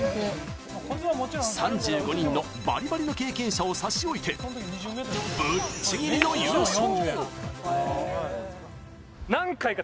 ３５人のバリバリの経験者を差し置いてぶっちぎりの優勝。